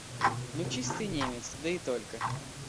Ну чистый немец, да и только!